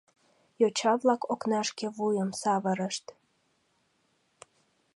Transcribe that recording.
Йоча-влак окнашке вуйым савырышт.